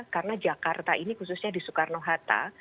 karena jakarta ini khususnya di soekarno hatta